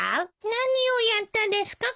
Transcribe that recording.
何をやったですか？